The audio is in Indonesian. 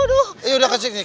dimana yang sakitnya itu